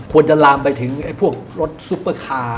จะลามไปถึงพวกรถซุปเปอร์คาร์